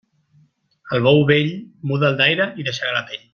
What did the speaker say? Al bou vell, muda'l d'aire i deixarà la pell.